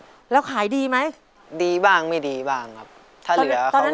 ประมาณนี้ครับแล้วขายดีไหมดีบ้างไม่ดีบ้างครับถ้าเหลือตอนนั้น